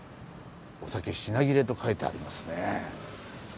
お酒「品切れ」と書いてありますね。